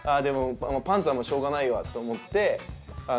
でもパンツはしようがないわと思って。